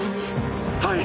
はい！